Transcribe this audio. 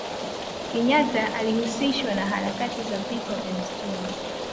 kenyata alihusishwa na harakati za vita vya msituni